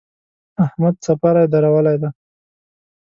احمد څپری درولی دی.